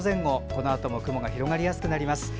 このあとも雲が広がりやすくなります。